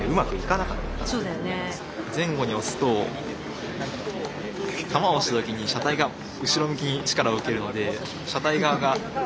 前後に押すと玉を押した時に車体が後ろ向きに力を受けるので車体側が安定するかどうか。